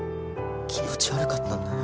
気持ち悪かったんだな。